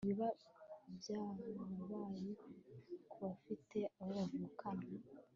ntibiba byarabayeho ku bafite abo bavukana